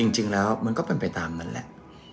จริงแล้วมันก็เป็นไปตามนั้นแหละ